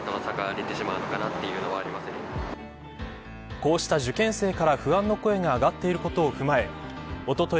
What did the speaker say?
こうした受験生から不安の声が上がっていることを踏まえおととい